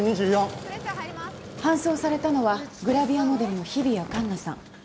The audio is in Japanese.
搬送されたのはグラビアモデルの日比谷カンナさん。